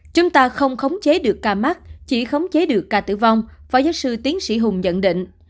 chúng ta không khống chế được ca mắc chỉ khống chế được ca tử vong phó giáo sư tiến sĩ hùng nhận định